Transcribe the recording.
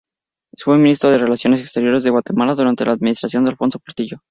Fue Ministro de Relaciones Exteriores de Guatemala durante la administración de Alfonso Portillo.